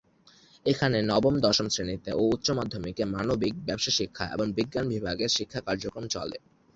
এখানে নবম-দশম শ্রেণিতে ও উচ্চ মাধ্যমিকে মানবিক, ব্যবসা শিক্ষা এবং বিজ্ঞান বিভাগে শিক্ষা কার্যক্রম চলে।